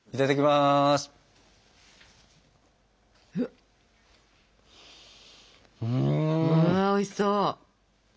まあおいしそう。